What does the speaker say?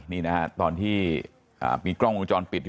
นี่นะฮะตอนที่มีกล้องวงจรปิดอยู่